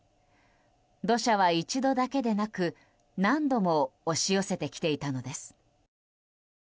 土砂は一度だけでなく何度も押し寄せてきていたのです。